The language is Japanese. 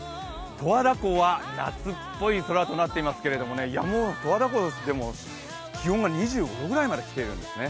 十和田湖は夏っぽい空となっていますけれども、もう、十和田湖でも気温が２５度くらいまできているんですね。